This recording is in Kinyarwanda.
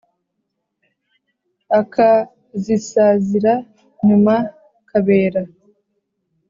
akazisazira nyuma kabera